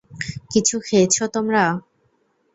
কিছু খেয়েছ তোমরা?